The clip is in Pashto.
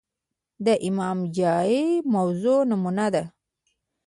د امام جائر موضوع نمونه ده